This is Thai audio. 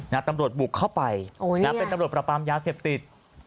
นะฮะตำรวจบุกเข้าไปโอ้เนี้ยเป็นตำรวจประปำยาเสพติศ